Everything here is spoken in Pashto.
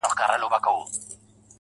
• بيا دي ستني ډيري باندي ښخي کړې.